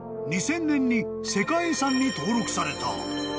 ２０００年に世界遺産に登録された］